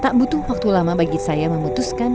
tak butuh waktu lama bagi saya memutuskan